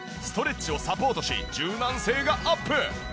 ストレッチをサポートし柔軟性がアップ！